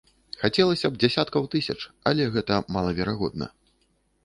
Хацелася б дзесяткаў тысяч, але гэта малаверагодна.